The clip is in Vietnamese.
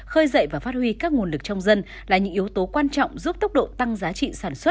khơi dậy và phát huy các nguồn lực trong dân là những yếu tố quan trọng giúp tốc độ tăng giá trị sản xuất